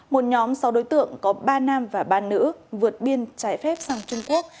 một nhóm sáu đối tượng có ba nam và ba nữ vượt biên trái phép sang trung quốc